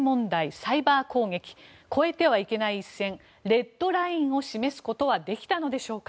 サイバー攻撃越えてはいけない一線レッドラインを示すことはできたのでしょうか。